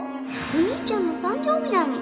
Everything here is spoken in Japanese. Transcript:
お兄ちゃんの誕生日なの